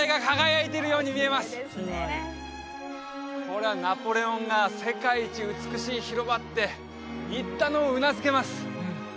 これはナポレオンが世界一美しい広場って言ったのもうなずけます